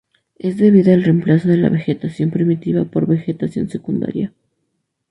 Es debida al reemplazo de la vegetación primitiva por vegetación secundaria.